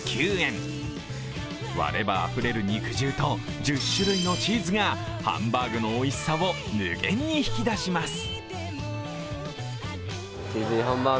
割ればあふれる肉汁と１０種類のチーズがハンバーグのおいしさを無限に引き出します。